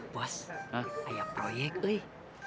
bos ayah proyek uih